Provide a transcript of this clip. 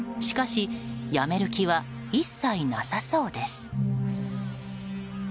しかし、やめる気は一切なさそうです。